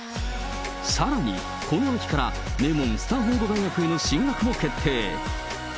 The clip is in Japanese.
さらに、この秋から名門、スタンフォード大学への進学も決定。